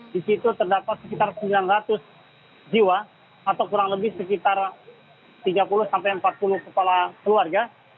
di situ terdapat sekitar sembilan ratus jiwa atau kurang lebih sekitar tiga puluh sampai empat puluh kepala keluarga